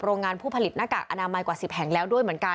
โรงงานผู้ผลิตนักกักอาณาไมกว่า๑๐แห่งแล้วด้วย